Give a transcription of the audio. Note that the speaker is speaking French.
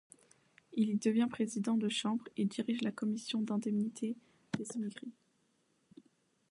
Il y devient président de chambre et dirige la commission d'indemnité des émigrés.